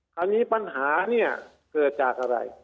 คราวนี้ปัญหาเนี่ยเกิดจากอะไร